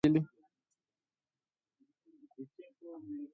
Kenya ni jamhuri changa iliyoupata uhuru wake tarehe kumi na mbili